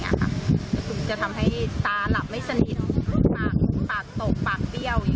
เนี้ยค่ะก็คือจะทำให้ตาหลับไม่สนิทปากปากตกปากเบี้ยวยัง